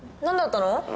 何だったの？